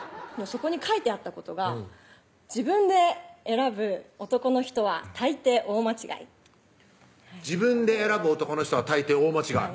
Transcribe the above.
そこに書いてあったことが「自分で選ぶ男の人は大抵大間違い」「自分で選ぶ男の人は大抵大間違い」